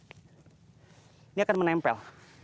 ini akan menempel